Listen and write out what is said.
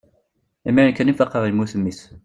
imir-n kan i faqeɣ yemmut mmi-s